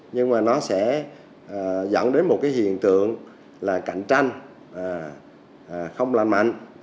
nhưng mà nó sẽ dẫn đến một cái hiện tượng là cạnh tranh không lành mạnh